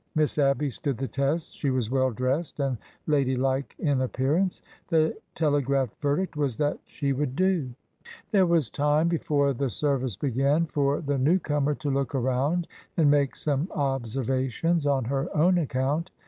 Miss Abby stood the test. She was well dressed and ladylike in appearance. The telegraphed verdict was that she would do. There was time, before the service began, for the new comer to look around and make some observations on her own account.